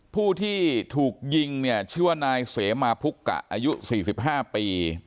ผู้ที่ถูกยิงเนี่ยชื่อว่านายเสมาพุกกะอายุ๔๕ปี